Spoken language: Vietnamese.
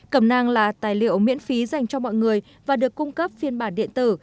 cẩm nang là tài liệu miễn phí dành cho mọi người và được cung cấp phiên bản điện tử